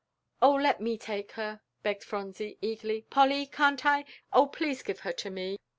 "Oh, let me take her," begged Phronsie, eagerly. "Polly, can't I? Oh, please give her to me!"